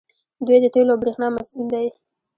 دوی د تیلو او بریښنا مسوول دي.